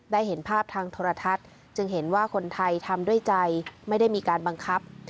เห็นภาพทางโทรทัศน์จึงเห็นว่าคนไทยทำด้วยใจไม่ได้มีการบังคับ